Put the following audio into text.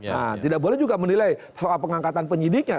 nah tidak boleh juga menilai soal pengangkatan penyidiknya